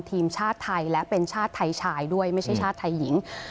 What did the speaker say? ทีมชาติไทยและเป็นชาติไทยชายด้วยไม่ใช่ชาติไทยหญิง